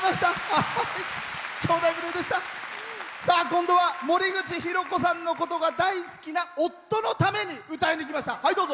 今度は森口博子さんのことが大好きな夫のために歌いに来ました。